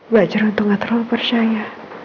belajar untuk gak terlalu percaya